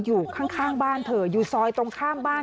อยู่ซอยตรงข้ามบ้านเผลอนะคะ